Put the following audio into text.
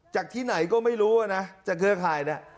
จากที่ไหนก็ไม่รู้นะจากเครือข่ายเนี่ย